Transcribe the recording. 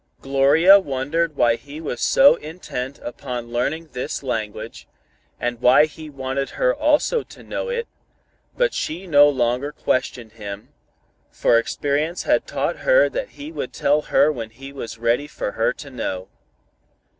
Gloria wondered why he was so intent upon learning this language, and why he wanted her also to know it, but she no longer questioned him, for experience had taught her that he would tell her when he was ready for her to know.